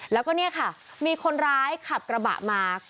แล้วก็เนี่ยค่ะมีคนร้ายขับกระบะมา